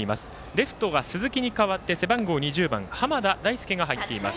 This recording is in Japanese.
レフトが鈴木に代わって背番号２０番濱田大輔が入っています。